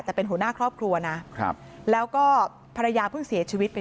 แต่เป็นหัวหน้าครอบครัวนะครับแล้วก็ภรรยาเพิ่งเสียชีวิตไป